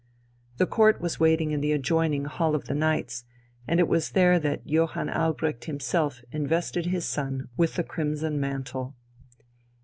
The Court was waiting in the adjoining Hall of the Knights, and it was there that Johann Albrecht himself invested his son with the crimson mantle.